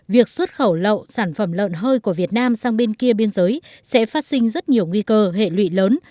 việc xuất khẩu lậu sản phẩm lợn hơi của việt nam sang bên kia biên giới sẽ phát sinh rất nhiều nguy cơ hệ lụy lớn